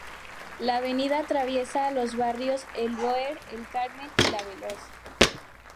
La avenida atraviesa los barrios, El Bóer, El Carmen y La Veloz.